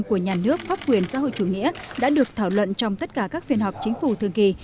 của nhà nước pháp quyền xã hội chủ nghĩa đã được thảo luận trong tất cả các phiên họp chính phủ thường kỳ